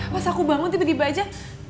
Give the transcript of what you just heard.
mas aku bangun tiba tiba aja